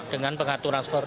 dengan pengaturan skor